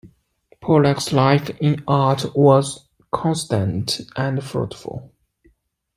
Pollack's life in art was constant and fruitful.